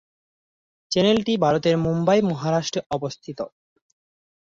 চ্যানেলটি ভারতের মুম্বাই, মহারাষ্ট্রে অবস্থিত।